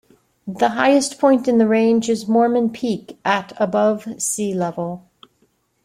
The highest point in the range is Mormon Peak, at above sea level.